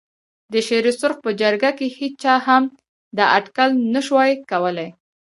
د شېر سرخ په جرګه کې هېچا هم دا اټکل نه شوای کولای.